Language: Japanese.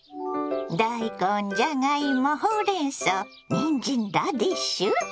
大根じゃがいもほうれんそうにんじんラディッシュ！